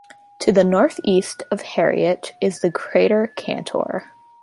To the northeast of Harriot is the crater Cantor.